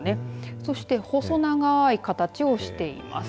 そして細長い形をしています。